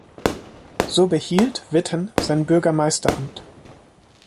So behielt Witten sein Bürgermeisteramt.